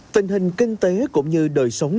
tình hình kinh tế cũng như đời sống